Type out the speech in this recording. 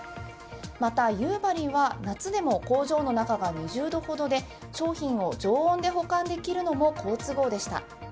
また、夕張は夏でも工場の中が２０度ほどで商品を常温で保管できるのも好都合でした。